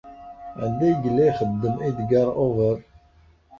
Anda ay yella ixeddem Edgar Hoover?